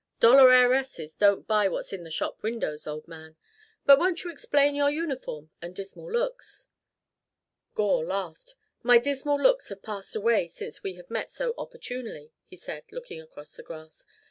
"Dollar heiresses don't buy what's in the shop windows, old man. But won't you explain your uniform and dismal looks?" Gore laughed. "My dismal looks have passed away since we have met so opportunely," he said, looking across the grass.